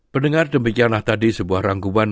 pendengar demikianlah tadi sebuah rangkuban